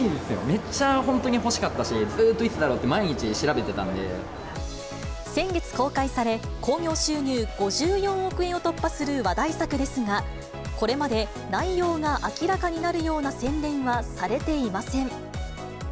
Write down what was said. めっちゃ本当に欲しかったし、ずっといつだろうと毎日、調べて先月公開され、興行収入５４億円を突破する話題作ですが、これまで内容が明らかになるような宣伝はされていません。